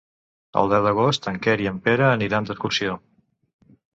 El deu d'agost en Quer i en Pere aniran d'excursió.